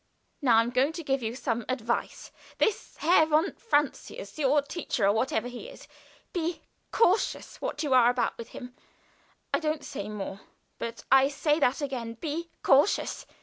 "Now I am going to give you some advice. This Herr von Francius your teacher or whatever he is. Be cautious what you are about with him. I don't say more, but I say that again. Be cautious!